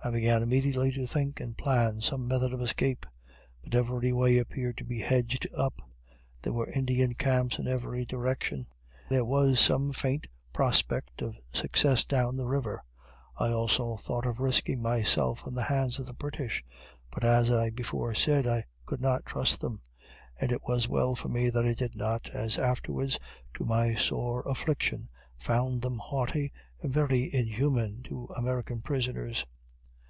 I began immediately to think and plan some method of escape; but every way appeared to be hedged up; there were Indian camps in every direction; there was some faint prospect of success down the river. I also thought of risking myself in the hands of the British, but, as I before said, I could not trust them; and it was well for me that I did not, as I afterwards, to my sore affliction, found them haughty and very inhuman to American prisoners.